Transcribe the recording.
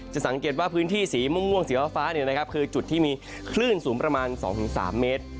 สังเกตว่าพื้นที่สีม่วงสีฟ้าคือจุดที่มีคลื่นสูงประมาณ๒๓เมตร